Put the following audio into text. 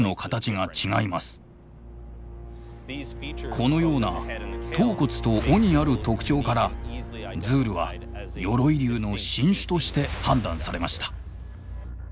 このような頭骨と尾にある特徴からズールは鎧竜の新種として判断されました。